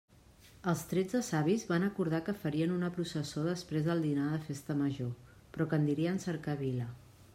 Els tretze savis van acordar que farien una processó després del dinar de festa major, però que en dirien cercavila.